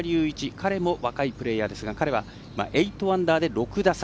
彼も若いプレーヤーですが彼は８アンダーで６打差。